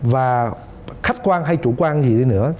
và khách quan hay chủ quan gì nữa